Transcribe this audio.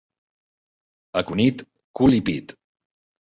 A Cunit, cul i pit.